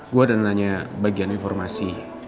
gue udah nanya bagian informasi